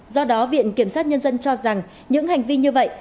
do đó viện kiểm sát nhân dân cho rằng những hành vi như vậy